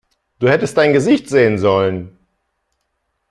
Du hättest dein Gesicht sehen sollen!